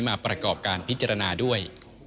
มาประกอบการพิจารณาด้วย